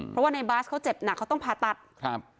เพราะว่าในบาสเขาเจ็บหนักเขาต้องผ่าตัดครับ